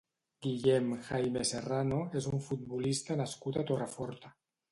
Guillem Jaime Serrano és un futbolista nascut a Torreforta.